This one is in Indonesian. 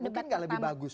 mungkin tidak lebih bagus